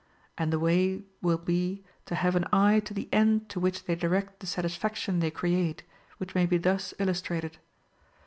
And the way will be to have an eye to the end to which they direct the satisfaction they create, which may be thus illustrated.